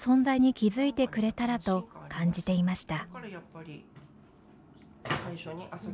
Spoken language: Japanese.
気付いてくれたらと感じていました。